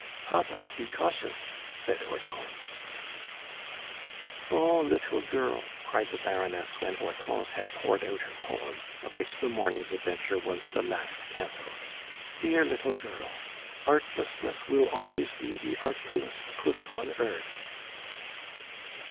"Papa, be cautious!" said Hortense. "Oh! little girl!" cried the Baroness when Hortense had poured out her poem, of which the morning's adventure was the last canto, "dear little girl, Artlessness will always be the artfulest puss on earth!"